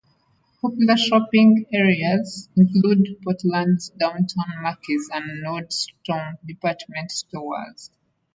Popular shopping areas include Portland's downtown Macy's and Nordstrom department stores.